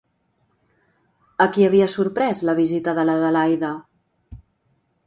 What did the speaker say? A qui havia sorprès la visita de l'Adelaida?